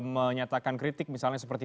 menyatakan kritik misalnya seperti